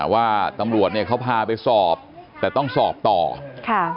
ว่าตำรวจเนี่ยเขาพาไปสอบแต่ต้องสอบต่อค่ะ